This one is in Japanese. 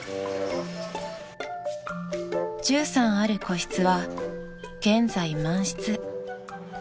［１３ある個室は現在満室］